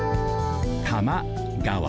多摩川。